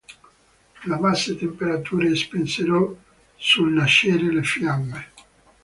Le basse temperature spensero sul nascere le fiamme.